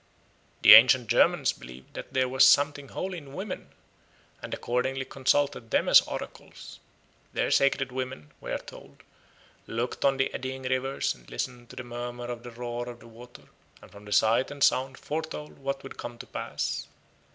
The ancient Germans believed that there was something holy in women, and accordingly consulted them as oracles. Their sacred women, we are told, looked on the eddying rivers and listened to the murmur or the roar of the water, and from the sight and sound foretold what would come to pass.